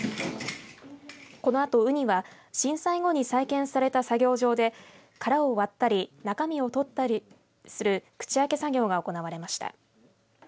このあと、ウニは震災後に再建された作業場で殻を割ったり中身を取ったりする口開け作業が行われました。